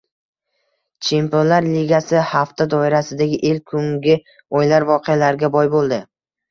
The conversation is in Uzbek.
Chempionlar Ligasi hafta doirasidagi ilk kungi o‘yinlar voqealarga boy bo‘ldi